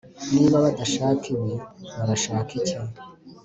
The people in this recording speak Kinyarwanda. Niba badashaka ibi barashaka iki